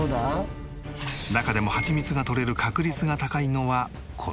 中でもハチミツがとれる確率が高いのはこの巣箱。